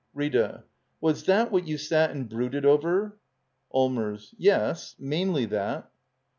Rfta. Was that what you sat and brooded over? Allmers. Yes; mainly that.